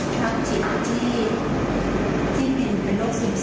ก็เลยคิดว่ามันอาจจะเป็นส่วนหนึ่งที่ทำให้ก็เวลาโหงโหงเนี่ย